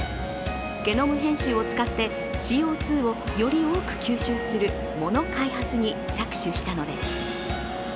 ゲノム編集を使ってＣＯ２をより多く吸収する藻の開発に着手したのです。